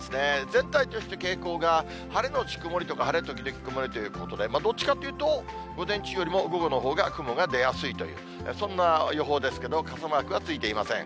全体として傾向が、晴れ後曇りとか、晴れ時々曇りということで、どっちかというと、午前中よりも午後のほうが雲が出やすいという、そんな予報ですけど、傘マークはついていません。